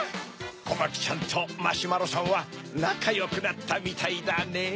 コマキちゃんとマシュマロさんはなかよくなったみたいだねぇ。